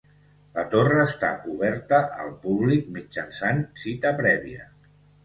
La torre està oberta al públic mitjançant cita prèvia.